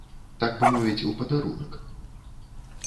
Так бы мовіць, у падарунак.